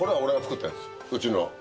うちの。